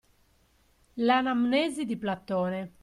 L'anamnesi di Platone.